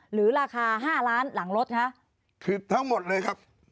หรือราคาห้าล้านหลังรถคะคือทั้งหมดเลยครับ